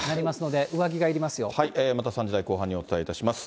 また３時台後半にお伝えいたします。